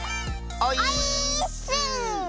オイーッス！